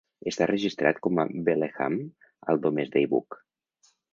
Està registrat com a Beleham al Domesday Book.